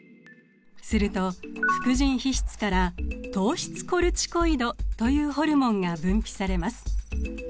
すると副腎皮質から糖質コルチコイドというホルモンが分泌されます。